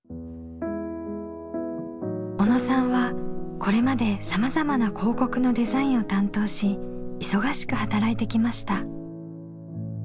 小野さんはこれまでさまざまな広告のデザインを担当し忙しく働いてきました。